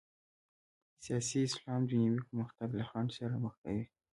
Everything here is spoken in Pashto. سیاسي اسلام دنیوي پرمختګ له خنډ سره مخ کوي.